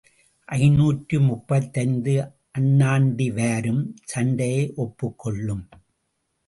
ஐநூற்று முப்பத்தைந்து அண்ணாண்டி வாரும் சண்டையை ஒப்புக் கொள்ளும்.